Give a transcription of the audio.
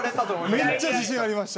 めっちゃ自信ありました。